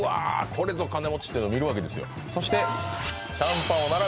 これぞ金持ちというのを見るわけですよ